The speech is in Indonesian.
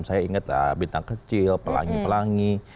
saya ingat bintang kecil pelangi pelangi